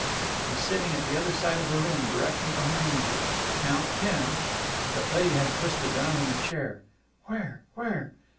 "He's sitting at the other side of the room, directly behind you. Count ten!" But Betty had twisted round in her chair. "Where? Where?"